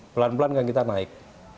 pelan pelan kan kita naik